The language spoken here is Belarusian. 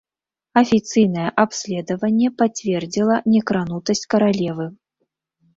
Афіцыйнае абследаванне пацвердзіла некранутасць каралевы.